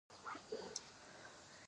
ایا زه باید کنسرت ته لاړ شم؟